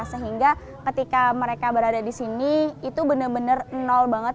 sehingga ketika mereka berada di sini itu benar benar nol banget